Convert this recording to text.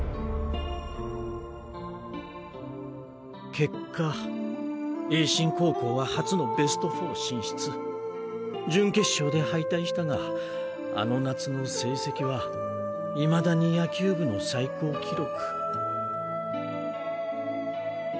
結果栄新高校は初のベスト４進出準決勝で敗退したがあの夏の成績はいまだに野球部の最高記録。